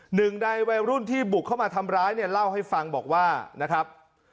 หนึ่งในวัยรุ่นที่บุกเข้ามาทำร้ายเนี่ยเล่าให้ฟังบอกว่านะครับ